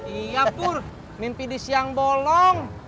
iya pur mimpi di siang bolong